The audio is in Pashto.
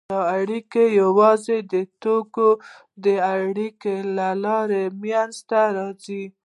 دا اړیکې یوازې د توکو د اړیکو له لارې منځته راځي